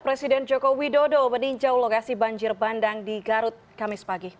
presiden joko widodo meninjau lokasi banjir bandang di garut kamis pagi